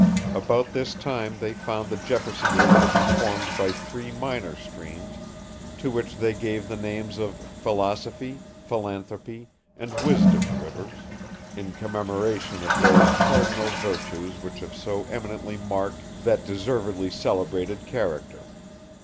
About this time they found the Jefferson River to be formed by three minor streams, to which they gave the names of Philosophy, Philanthropy, and Wisdom rivers, "in commemoration of those cardinal virtues which have so eminently marked that deservedly selibrated character."